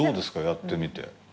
やってみて。